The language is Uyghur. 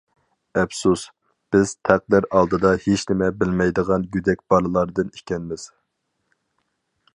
ئەپسۇس، بىز تەقدىر ئالدىدا ھېچنېمە بىلمەيدىغان گۆدەك بالىلاردىن ئىكەنمىز.